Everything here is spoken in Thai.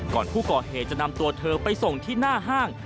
ก่อนผู้ก่อเหตุจะนำตัวเธอไปส่งที่หน้าห้าง